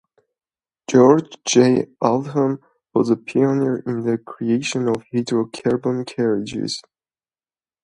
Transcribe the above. George J. Altham was a pioneer in the creation of "hydro-carbon carriages".